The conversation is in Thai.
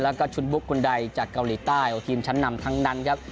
แล้วก็ชุดบุ๊คคุณใดจากเกาหลีใต้ทีมชั้นนำทั้งนั้นครับ